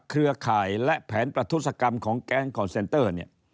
เครือข่ายและแผนประทุศกรรมของแก๊งคอนเซนเตอร์เนี่ย